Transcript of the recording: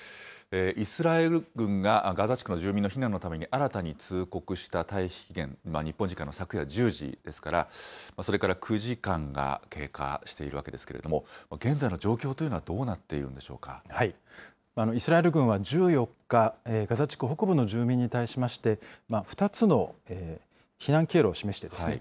イスラエル軍がガザ地区の住民の避難のために新たに通告した退避期限、日本時間の昨夜１０時ですから、それから９時間が経過しているわけですけれども、現在の状況というのはどうなっているんでイスラエル軍は１４日、ガザ地区北部の住民に対しまして、２つの避難経路を示しているんですね。